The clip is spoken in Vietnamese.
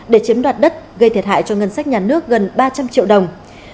để chiếm đoạt đất gây thiệt hại cho ngân sách nhà nước gần ba trăm linh triệu đồng